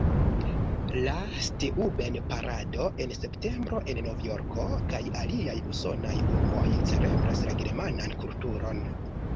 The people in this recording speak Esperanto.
La Steuben-parado en septembro en Novjorko kaj aliaj usonaj urboj celebras la germanan kulturon.